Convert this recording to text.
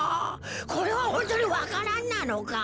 これはホントにわか蘭なのか？